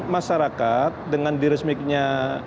masyarakat dengan diresmiknya